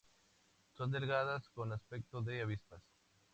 Son delgadas con aspecto de avispas.